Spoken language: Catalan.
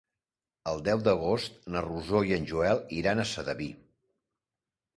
El deu d'agost na Rosó i en Joel iran a Sedaví.